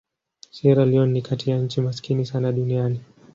Sierra Leone ni kati ya nchi maskini sana duniani.